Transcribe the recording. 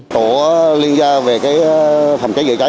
tổ liên gia về phòng cháy chữa cháy